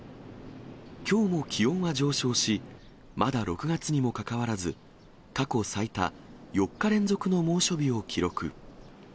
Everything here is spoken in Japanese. きょうも気温は上昇し、まだ６月にも関わらず、過去最多４日連続の猛暑日を記録。